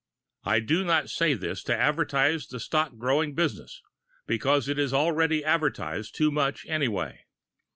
I do not say this to advertise the stock growing business, because it is [Pg 18]already advertised too much, anyway.